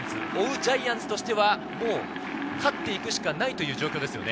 ジャイアンツとしてはもう勝っていくしかない状況ですね。